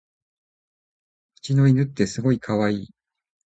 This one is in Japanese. うちの犬ってすごいかわいい